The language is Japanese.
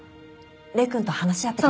礼くんと話し合ってから。